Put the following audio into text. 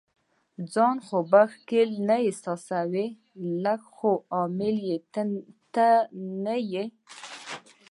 ځان خو به ښکیل نه احساسوې؟ لږ، خو لامل یې ته نه یې.